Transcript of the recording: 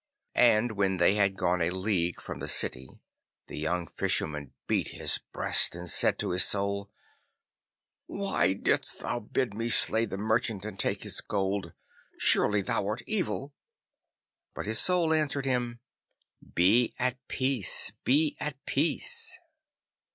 And when they had gone a league from the city, the young Fisherman beat his breast, and said to his Soul, 'Why didst thou bid me slay the merchant and take his gold? Surely thou art evil.' But his Soul answered him, 'Be at peace, be at peace.